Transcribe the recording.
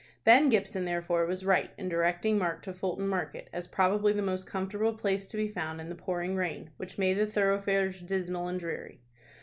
Ben Gibson, therefore, was right in directing Mark to Fulton Market, as probably the most comfortable place to be found in the pouring rain which made the thoroughfares dismal and dreary.